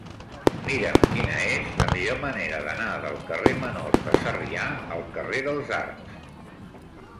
Mira'm quina és la millor manera d'anar del carrer Menor de Sarrià al carrer dels Arcs.